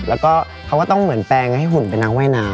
แล้วก็เขาต้องเหมือนแปลงให้หุ่นไปนังไว้น้ำ